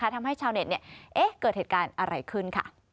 ทำให้ชาวเน็ตเกิดเหตุการณ์อะไรขึ้น